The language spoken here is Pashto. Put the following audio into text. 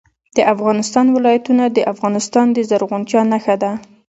د افغانستان ولايتونه د افغانستان د زرغونتیا نښه ده.